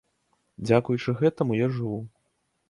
Дзякуючы гэтаму я жыву.